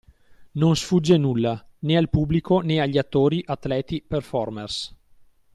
Non sfugge nulla, né al pubblico né agli attori/atleti/performers.